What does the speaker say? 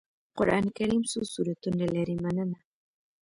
قرآن کريم څو سورتونه لري مننه